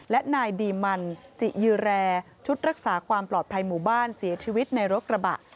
และนายดีมันจิยือแรชุดรักษาความปลอดภัยหมู่บ้านเสียชีวิตในรถกระบะ